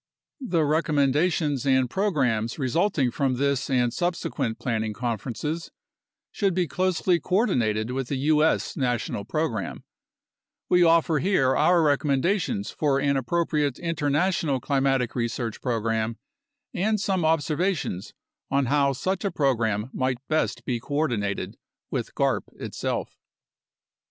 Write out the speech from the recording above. The recommendations 106 UNDERSTANDING CLIMATIC CHANGE and programs resulting from this and subsequent planning conferences should be closely coordinated with the U.S. national program. We offer here our recommendations for an appropriate international climatic re search program and some observations on how such a program might best be coordinated with garp itself.